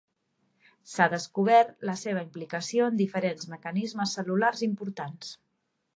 S’ha descobert la seva implicació en diferents mecanismes cel·lulars importants.